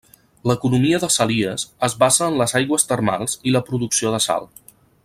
L'economia de Salias es basa en les aigües termals i la producció de sal.